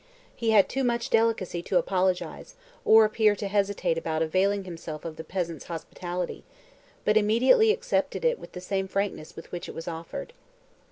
He had too much delicacy to apologise, or to appear to hesitate about availing himself of the peasant's hospitality, but immediately accepted it with the same frankness with which it was offered.